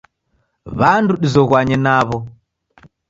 W'andu dizoghuanye naw'o.